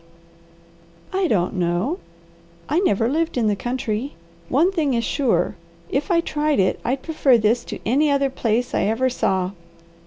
"I don't know. I never lived in the country. One thing is sure: If I tried it, I'd prefer this to any other place I ever saw.